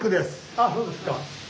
あそうですか。